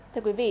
thưa quý vị